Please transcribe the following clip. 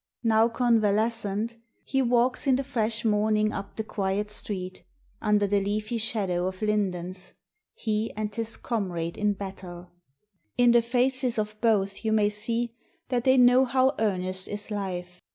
Now convalescent he walks in the fresh morning up the quiet street, under the leafy shadow of lindens... he and his comrade in battle. In the faces of both you may see that they know how earnest is life...